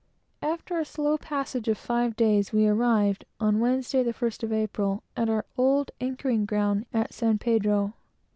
After a slow passage of five days, we arrived, on Wednesday, the first of April, at our old anchoring ground at San Pedro.